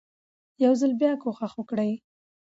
يو ځل بيا کوښښ وکړئ